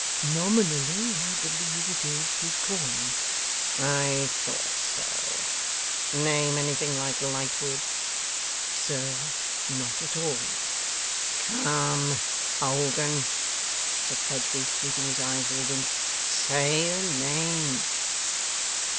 'Nominally, I believe it his calling.' 'I thought so. Name anything like Lightwood?' 'Sir, not at all like.' 'Come, old 'un,' said Fledgeby, meeting his eyes with a wink, 'say the name.